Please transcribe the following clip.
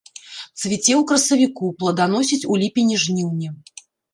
Цвіце ў красавіку, плоданасіць у ліпені-жніўні.